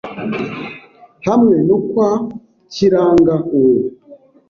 hamwe no kwa Kiranga uwo.